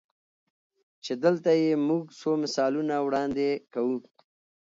چې دلته ئې مونږ څو مثالونه وړاندې کوو-